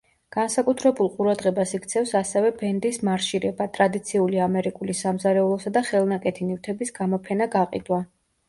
განსაკუთრებულ ყურადღებას იქცევს ასევე ბენდის მარშირება, ტრადიციული ამერიკული სამზარეულოსა და ხელნაკეთი ნივთების გამოფენა-გაყიდვა.